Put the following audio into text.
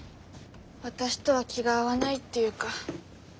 私とは気が合わないっていうか。